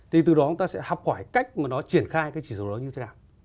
thì từ đó chúng ta sẽ học hỏi cách mà nó triển khai cái chỉ số đó như thế nào